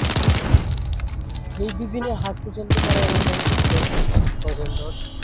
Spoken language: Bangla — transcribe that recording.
এই দুদিনে, হাঁটতে চলতে পারে এমন কাউকে খোঁজো গজেন্দর।